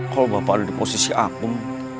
kalau bapak ada di posisi aku